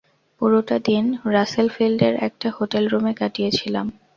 পুরোটা দিন রাসেলফিল্ডের একটা হোটেল রুমে কাটিয়েছিলাম।